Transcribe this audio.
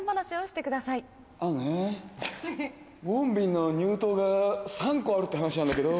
「ウォンビンの乳頭が３個あるって話なんだけど」。